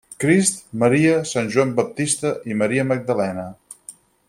Crist, Maria, Sant Joan Baptista i Maria Magdalena.